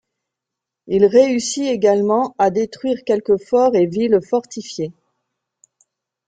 Il réussit également à détruire quelques forts et villes fortifiées.